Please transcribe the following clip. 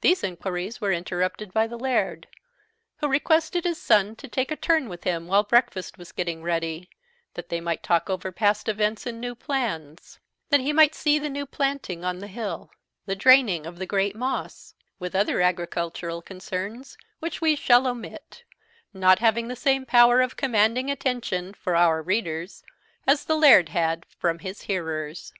These inquiries were interrupted by the Laird, who requested is son to take a turn with him while breakfast was getting ready, that they might talk over past events and new plans; that he might see the new planting on the hill; the draining of the great moss; with other agricultural concerns which we shall omit, not having the same power of commanding attention for our readers as the Laird had from his hearers.